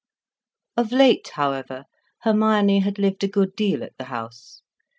Of late, however, Hermione had lived a good deal at the house.